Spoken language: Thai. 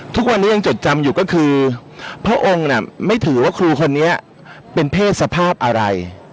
ทุกวันนี้ยังจดจำอยู่ก็คือพระองค์ไม่ถือว่าครูคนนี้เป็นเพศสภาพอะไร